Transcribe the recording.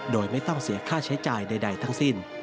โดยไม่ต้องเสียค่าใช้จ่ายใดทั้งสิ้น